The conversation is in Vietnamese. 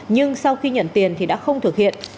nhưng sau khi nhận tiền thì đã không thực hiện